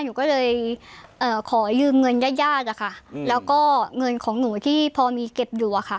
หนูก็เลยเอ่อขอลืมเงินญาติอ่ะค่ะอืมแล้วก็เงินของหนูที่พอมีเก็บดัวค่ะ